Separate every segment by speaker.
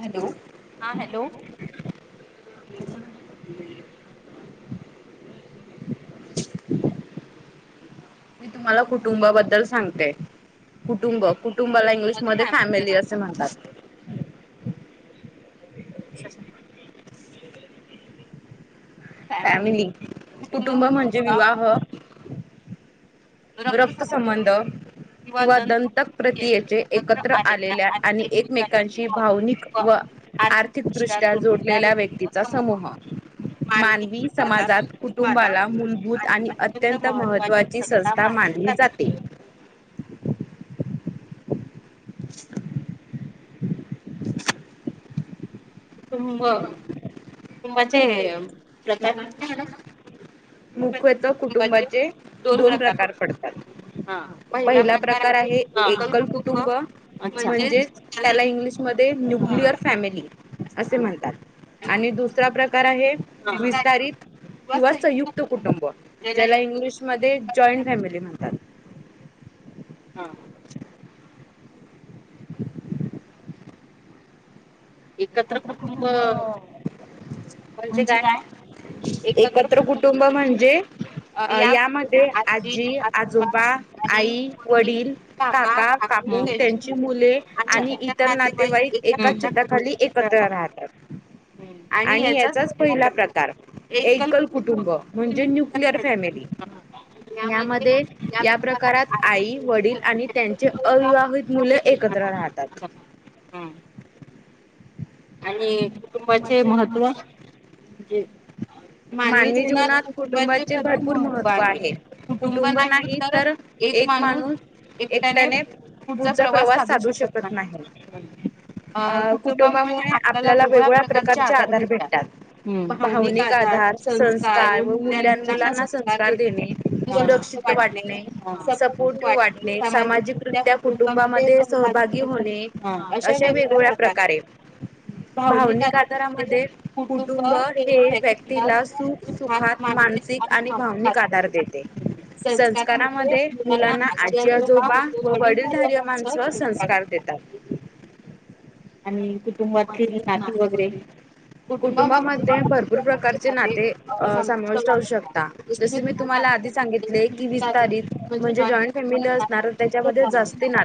Speaker 1: Hello
Speaker 2: हा hello
Speaker 1: मी तुम्हाला कुटुंबाबद्दल सांगते कुटुंब कुटुंबाला इंग्लिशमध्ये फॅमिली अस म्हणतात
Speaker 2: चछ [unintelligible]
Speaker 1: फॅमिली कुटुंब म्हणजे विवाह रक्तसबंध किंवा दंतक प्रतियेचे एकत्र आलेल्या आणि एकमेकांशी भावनिक व आर्थिकदृष्ट्या जोडलेल्या व्यक्तीचा समूह मानवी समाजात कुटुंबाला मूलभूत आणि अत्यंत महत्वाचे ची संस्था मानली जाते
Speaker 2: तु तु ते प्रताप
Speaker 1: मुकेत कुटुंबाचे दोन प्रकार पडतात पहिला प्रकार आहे एकल कुटुंब म्हणजेच त्याला इंग्लिशमध्ये न्युक्लिअर फॅमिली असे म्हणतात आणि दुसरा प्रकार आहे विस्तारित
Speaker 2: क्स्
Speaker 1: युक्त कुटुंब ज्याला इंग्लिशमध्ये जॉईंट फॅमिली म्हणतात तत कठुब म्हणजे काय एकत्र कुटुंब म्हणजे अ यामध्ये आजी आजोबा आई वडील काका काकू त्यांची मुले आणि इतर नातेवाईक एकाच चित्रखाली राहात आणि याचाच पहिला प्रकार एकल कुटुंब म्हणजे न्युक्लिअर फॅमिली यामध्ये या प्रकारात आई वडील आणि त्यांचे अविवाहित मुले एकत्र राहतात
Speaker 2: आणि कुटुंबाचे महत्त्वणजे मान्य जीवनात कुटुंबाचे भरपूर महत्व आहे कुटुंब नाही तर एक माणूस एकट्याने पुढचा प्रवास साधू शकत नाही अ कुटुंबामुळे आपल्याला वेगळ्या प्रकारचे आधार भेटतात भावनिक आधार संस्कार व मुल्यां मुलांना संस्कार देत लक्ष वाटणे सपोट वाटणे सामाजिकित्या कुटुंबामध्ये भागी म्ह हा अशा वेगवेगळ्या प्रकारे
Speaker 1: भावनिक आजारामध्ये कुटुंब हे व्यक्तीला सुख सुखात मानसिक आणि भावनिक आधार देते संस्कारामध्ये मुलांना आजी आजोबा व वडील धार्य माणस सं कार
Speaker 2: आणि कुटुंबातील नाती वगैरे.
Speaker 1: कुटुंबामध्ये भरपूर प्रकारचे नाते अ समाविष्ट होउ शकता. जस मी तुम्हाला आधी सांगितले की वीस तारीख म्हणजे जॉईंट फॅमिली असणार. त्याच्यामध्ये जास् ना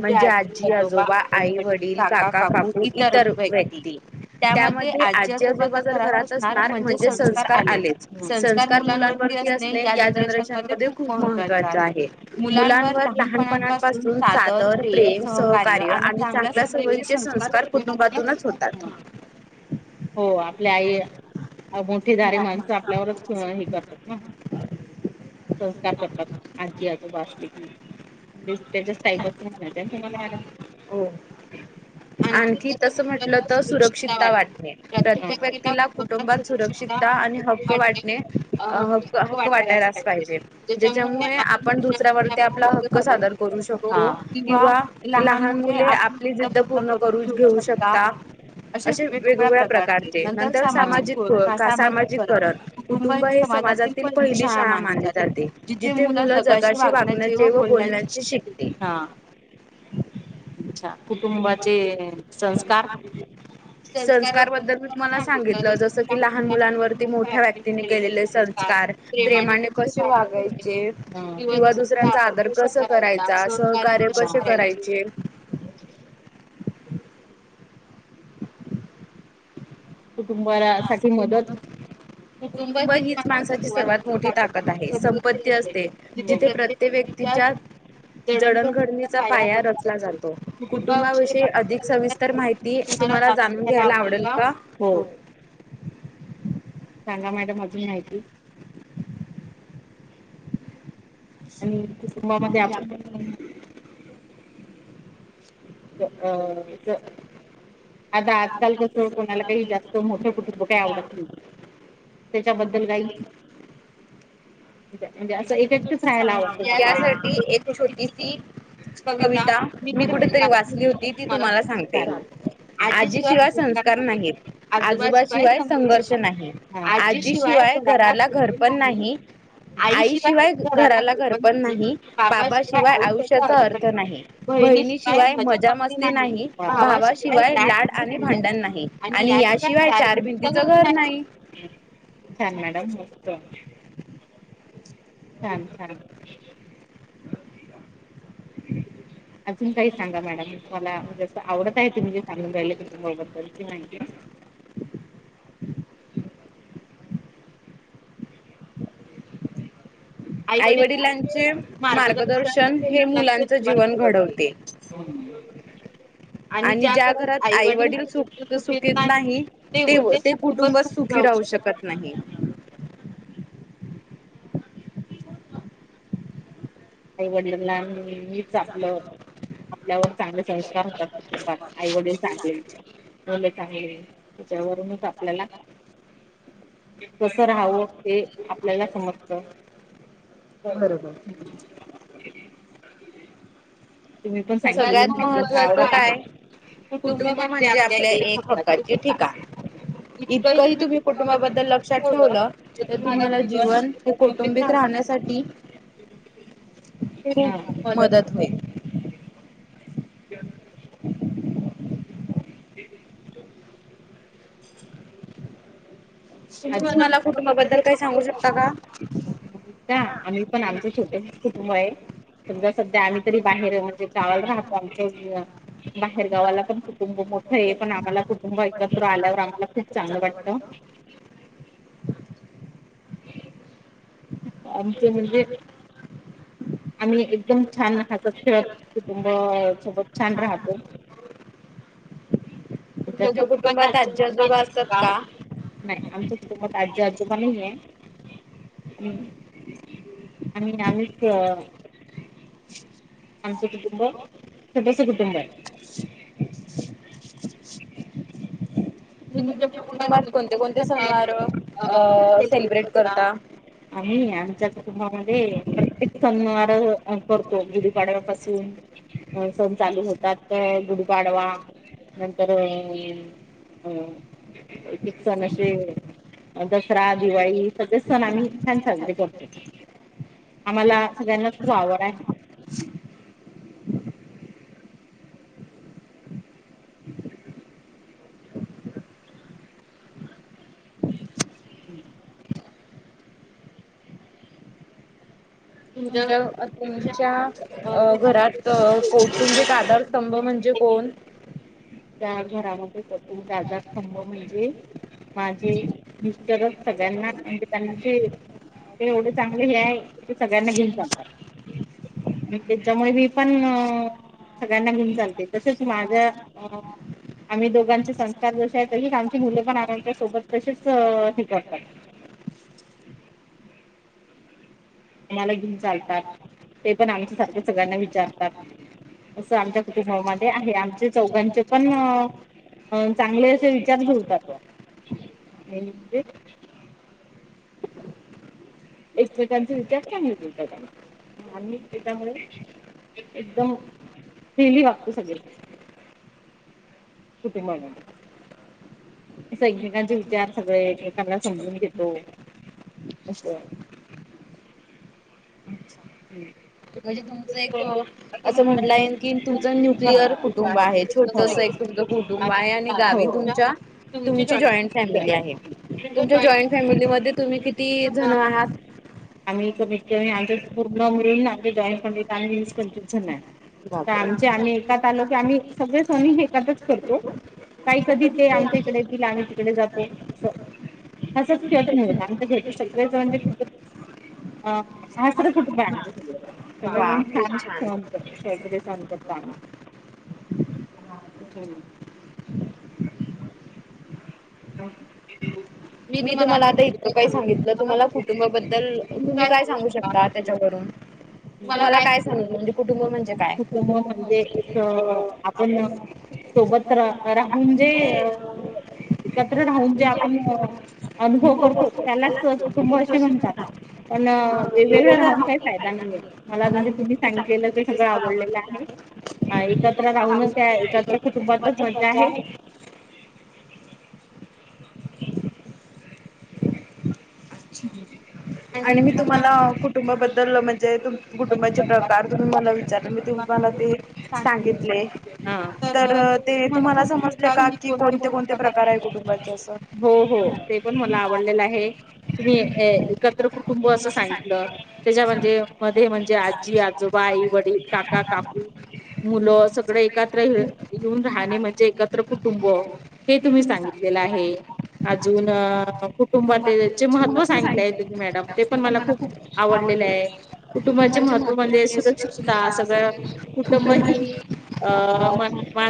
Speaker 1: म्हणजे आजी आजोबा आई वडील काका काकु. इतर व्यक्ती. त्यामध्ये आजी आजोबाजर घरात असणार म्हणजे संस्कार आलेच संस्कार मुलांन े ख मह आहे मुवर ल पाणपासून सादर प्रेम सहकार्य आणि चांगल्या सवयीचे संस्कार. कुटुंबातूनच होतात.
Speaker 2: हो आपल्या आई. अ मोठी दारी माणसं आपल्यावरच हे करतात ना. संस्कार करतात आजी आजोबा असले की त्याच्या स्थाईपच तुम्हाला मला [unintelligible]
Speaker 1: आणखी तसं म्हटलं तर सुरक्षितता वाटणे प्रत्येक व्यक्तीला कुटुंबात. सुरक्षितता आणि हक्क वाटणे हक्क हक्क वाटायलाच पाहिजे. ज्याच्यामुळे आपण दुसऱ्यावरती आपला ह. सादर करू शकतो किंवा लहान मुले आपली जिद्द पूर्ण करू. घेऊ शकता. असे वेगवेगळ्या प्रकारचे नंतर सामाजिक सामाजिक करण. कुटुंब हे समाजातील पहिली शाळा मानली जाते जिथे मुलं जगाशी वागण्याचे व
Speaker 2: हच्छा कुटुंबाचे. संस्कार. संस्कार बद्दल मी तुम्हाला सांगितलं जसं की लहान मुलांनी मोठ्या व्यक्तीने केलेलं संस्कार. प्रेमाने कस काढायचे किंवा दुसर. तर कस करायचा सहकार्य कस करायचे. कुटुंबा साठी मदत.
Speaker 1: कुटुंब हीच माणसाची सर्वात मोठी ताकद आहे संपत्ती असते जिथे प्रत. ते व्यक्तीच्या. जडणघडणीचा पाया रचला जातो कुटुंबाविषयी अधिक सविस्तर माहिती. ती तुम्हाला जाणून घ्यायला आवडेल का.
Speaker 2: सांगा मॅडम अजून माहिती. आणि कुटुंबामध्ये आपण. अ आता आजकाल कसं कोणाला काही जास्त मोठं कुटुंब काही आवडत नाही. त्याच्याबद्दल काही. म्हणजे असं इफेक्टच राहायला आवडत. कविता मी पण तरी वाचली होती ही तुम्हाला सांगती. आजी शिवाय संस्कार नाही. आजोबा शिवाय संघर्ष नाही, आजीशिवाय घराला घ रपर नाही. आईशिवाय घराला घरपण नाही बाबाशिवाय आईच्या बहिणीशिवाय मजा मस्ती नाही भावाशिवाय लाड आणि भांडण नाही. आणि याशिवाय चारज नाही छान मॅडम मस्त. छान छान. अजून काही सांगा मॅडम मला जं आवडत आहे तुम् जे सांगून राहिले तबबदलची माहिती. आई वडिलांचे मार्गदर्शन हे मुलांच जीवन घाडवते. हम.
Speaker 1: आणि ज्या घरात आईवडील सु सुकीत नाही तेव्हा ते कुटुंबात सुखी राहू शकत नाही.
Speaker 2: आई वडीलाना मुलींनी. आपलं आपल्यावर चांगले संस्कार होतात कुटुंबात आई वडील चांगले आलं का आहे त्याच्यावरूनच आपल्याला कस राहावं ते आपल्याला समजत.
Speaker 1: बरोबर.
Speaker 2: ठे [unintelligible]
Speaker 1: सगळ्यात महत्वाचं काय? कुटुंब म्हणजे आपल्या एक हक्काचे ठिकाण इतकंही तुम्ही कुटुंबाबद्दल लक्षात ठेवलं. तर तुम्हाला जीवन कौटुंबिक राहण्यासाठी खूप मदत होईल.
Speaker 2: ये [unintelligible]
Speaker 1: [unintelligible] तुम्ही मला कुटुंबाबद्दल काही सांगू शकता का?
Speaker 2: का आम्ही पण आमचं छोटस कुटुंब आहे. समजा सध्या आम्ही तरी बाहेर म्हणजे गावाला राहतो. आमच्या बाहेर गावाला पण खूप कुटुंब मोठं आहे. पण आम्हाला कुटुंब एकत्र आल्यावर आम्हाला खूप चांगलं वाटतं.
Speaker 1: ह [unintelligible]
Speaker 2: आमचे म्हणजे, आम्ही एकदम छान राहतो. क्ष कुटुंब सोबत छान राहतो
Speaker 1: तुमच्या कुटुंबात आजी आजोबा असतात का?
Speaker 2: नाही. आमच्या कुटुंबात आजी आजोबा नाही आहे. आणि आम्ही अ आमचं कुटुंब छोटंस कुटुंब आहे. मी तुमच्या
Speaker 1: कुटुंबात कोणते कोणते सण वार अ सेलिब्रेट करता?
Speaker 2: आम्ही आमच्या कुटुंबामध्ये प्रत्येक सणवार करतो. गुढी पाडवा पासून सण चालू होतात. गुढपाडवा नंतर अ ह कित्सणशी [unintelligible] दसरा, दिवाळी सगळे सण आम्ही छान साजरे करतो. आम्हाला सगळ्यांनाच खूप आवड आहे. हम् [unintelligible]
Speaker 1: तुमच्या तुमच्या अ घरात कौटुंबिक आधार स्तंभ म्हणजे कोण?
Speaker 2: त्या घरामध्ये संपूर्ण आधारस्तंभ म्हणजे माझे मिस्टरच सगळ्यांना म्हणजे त्यांची ते एवढं चांगले हे आहे की ते सगळ्यांना घेऊन चालतात. त्याच्यामुळे मी पण सगळ्यांना घेऊन चालते तसेच माझ्या अ आम्ही दोघांचे संस्कार जसे आहेत. तशीच आमची मुलं पण आमच्या सोबत तसेच हे करतात. आम्हाला घेऊन चालतात. ते पण आमच्या सारखे सगळ्यांना विचारतात असं आमच्या कुटुंबामध्ये आहे. आमचे चौघांचे पण अ चांगले असे विचार जुळतात. बुवा... म्हणजे, एकमेकांचे विचार चांगले जुळतात. आणि त्याच्यामुळे एकदम, फ्रीअली वागतो सगळी कुटुंबांमध्ये एकमेकांचे विचार सगळे एकमेकांना समजून घेतो. असचं, ह [unintelligible]
Speaker 1: म्हणजे तुमचं एक, असं म्हटलं आहे. की तुमचं न्युक्लियर कुटुंब आहे. छोटस एक तुमच कुटुंब आहे आणि गावी तुमच्या तुमची जॉईंट फॅमिली आहे. तुमच्या जॉईंट फॅमिलीमध्ये तुम्ही किती जण आहात?
Speaker 2: आम्ही कमीत कमी आमच पूर्ण मिळून आमची जॉइंट फॅमिलीत आम्ही वीस पंचवीस जण आहेत
Speaker 1: रम सग [unintelligible]
Speaker 2: काही कधी ते आमच्या इकडे येतील आम्ही तिकडे जातो अस हसत खेळत आमच जेते सगळे जण सगळं व छान सह कर सरी सहन करत [unintelligible] हम्म हम [unintelligible]
Speaker 1: मी तुम्हाला आता इतक काही सांगितलं तुम्हाला कुठ कुुंबाबद्दल तुम्ही काय सांगू शकता त्याच्यावरून तुम्हाला काय सांग म्हणजे कुटुंब म्हणे काय
Speaker 2: कुटुंब म्हणजे एक आपण सोबत रा राहून जे अ एकत्र राहून जे आपण अनुभव करतो त्यालाच कुटुंब असे म्हणतात पण वेगवेगळं राहून काही फायदा नाही मला म्हणजे तुम्ही सांगितलं ते सगळं आवडलं एकत्र राहूनच एकत्र कुटुंबातच मजा आहे
Speaker 1: ह [inaudible]
Speaker 2: जी ज [unintelligible]
Speaker 1: आणि मी तुम्हाला कुटुंबाबद्दल म्हणजे कुटुंबाचे प्रकार तुमही मला विचारले मी तु मला ते सांगितले तर ते तुम्हाला समजले का कि कोणते कोणते प्रकार आहे कुटुंबाची असं
Speaker 2: हो हो ते पण मला आवडलेलं आहे तुम्ही एकत्र कुटुंब असं सांगितलं त्याच्या म्हणजे मध्ये म्हणजे आजी आजो बा आई वडील काका काकु मुलं सगळं एकत्र येऊन राहणे म्हणजे एकत्र कुटुंब हे तुम्ही सांगितलेलं आहे अजून कुटुंबाचे महत्व तो सांगितलाय तुम्ही मॅडम ते पण मला खूप आवडलेले आहे कुटुंबाचे महत्व म्हणजे
Speaker 1: सगळ त [unintelligible] अ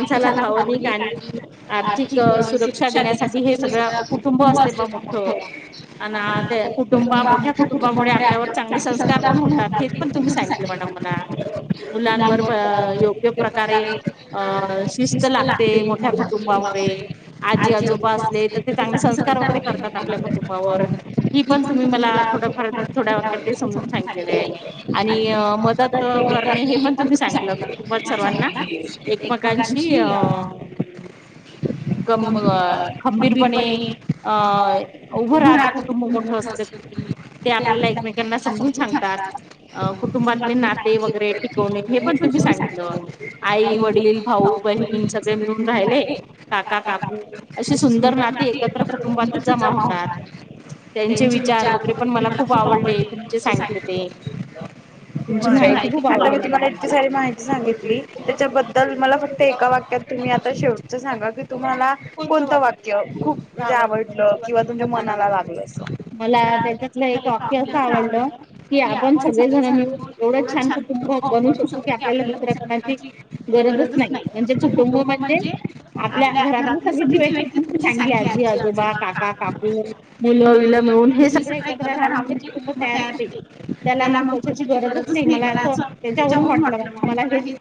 Speaker 1: माणसाला भावली काढ [unintelligible] आर्थिक सुरक्षा देण्यासाठी हे सगळं कुटुंब असते मोठे कुटुंब मोठ्या कुटुंबामुळे आपल्या चांगली सत्ता पण होणार ते तुम्ही मुख्य प्रकारे अ शिस्त लागते मोठ्या कुटुंबामुळे आजी आजोबा असले चांगले संस्कार होते कुटुंबावर ती पण तु मला समजून आणि हे पण तु सांग सांग ना एकमेकांची अ क
Speaker 2: अ खंबीरपणे अं उभं राहत कुठ मोठ असलं की ते आपल्याला एकमेकांना समजून सांगतात कुटुंबातले नाते वगैरे कोणी हे पण तुम्ही सांगितलं आई वडील भाऊ बहीण सगळे मिळून राहिले काका काकू अशी सुंदर नाती एकत्र कुटुंबातच जमा होतात
Speaker 1: त्यांचे विचार वगैरे पण मला खूप आवडते ते सांगित आणि मी तुम्हाला इतकी सारी माहिती सांगितली त्याच्याबद्दल मला फक्त एका वाक्यात तुम्ही आता शेवटच सांगा की तुम्हाला कोणतं वाक्य खूप म्हणजे आवडलं किंवा तुम मनाला लागल अस
Speaker 2: मला त्याच्यातलं एक वाक्य असं आवडलं की आपण सगळेजण मिळून एवढं छान कुटुंब बनू शकतो की आपल्याला दुसऱ्या कोणाची गरजच नाही म्हणजे कुटुंब म्हणजे आपल्या घरातली सगळी जी वक्ती तुही सांगली आजी आजोबा काका काकु
Speaker 1: मुलं उलं म्हणून हे सगळं एकत्र राहून जे कुटुंब तयार हो त्याला मग गरजच नाही मला असं त्याच्यावरून वाटलं मग मला हेच